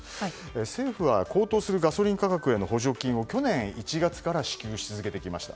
政府は高騰するガソリン価格への補助金を去年１月から支給し続けてきました。